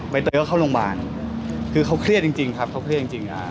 เตยก็เข้าโรงพยาบาลคือเขาเครียดจริงครับเขาเครียดจริงอ่า